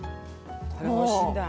これおいしいんだ。